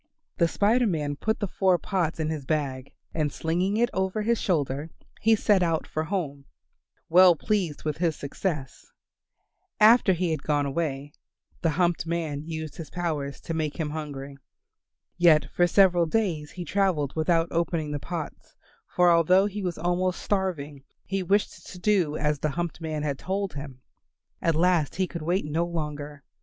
The Spider Man put the four pots in his bag and slinging it over his shoulder he set out for his home, well pleased with his success. After he had gone away, the humped man used his power to make him hungry. Yet for several days he travelled without opening the pots, for although he was almost starving he wished to do as the humped man had told him. At last he could wait no longer.